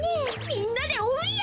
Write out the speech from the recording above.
みんなでおうんや！